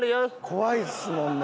怖いっすもんね。